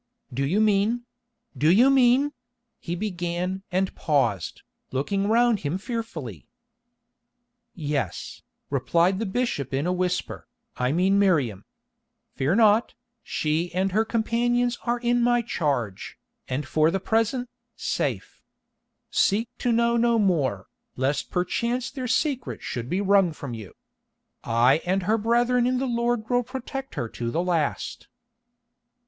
"Do you mean—do you mean—?" he began and paused, looking round him fearfully. "Yes," replied the bishop in a whisper, "I mean Miriam. Fear not, she and her companions are in my charge, and for the present, safe. Seek to know no more, lest perchance their secret should be wrung from you. I and her brethren in the Lord will protect her to the last."